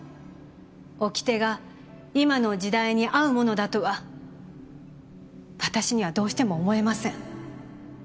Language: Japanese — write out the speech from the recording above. おきてが今の時代に合うものだとは私にはどうしても思えません